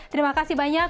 terima kasih banyak